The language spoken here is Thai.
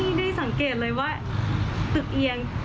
ได้สังเกตเลยว่าตึกเอียง